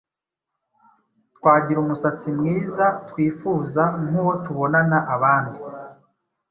twagira umusatsi mwiza twifuza nkuwo tubonana abandi